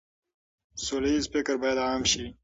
سوله ييز فکر بايد عام شي.